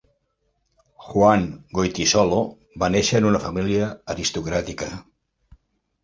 Juan Goytisolo va nàixer en una família aristocràtica.